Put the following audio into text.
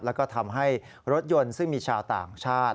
แล้วก็ทำให้รถยนต์ซึ่งมีชาวต่างชาติ